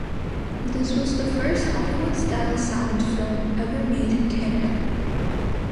This was the first Hollywood style sound film ever made in Canada.